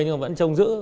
nhưng mà vẫn trông giữ